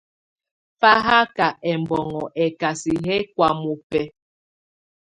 Fahaka ɛmbɔnŋɔ ɛkasɛ yɛ kɔa mɔbɛ.